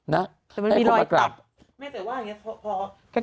แต่มันไม่มีรอยตัด